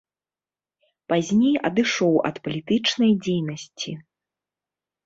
Пазней адышоў ад палітычнай дзейнасці.